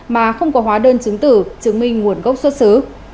mà không có hóa đơn chứng tử chứng minh nguồn gốc xuất xứ